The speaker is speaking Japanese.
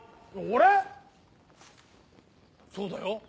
俺⁉そうだよ。